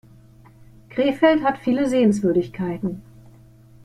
Krefeld hat viele Sehenswürdigkeiten